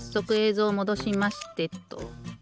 ぞうもどしましてと。